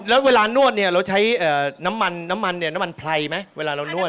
แล้วเวลานวดเนี่ยเราใช้น้ำมันน้ำมันเนี่ยน้ำมันไพรไหมเวลาเรานวด